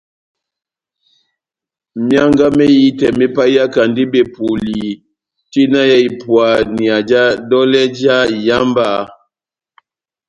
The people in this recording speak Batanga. Mianga mehitɛ me paiyakandi bepuli tina ya ipuania ja dolɛ já iyamba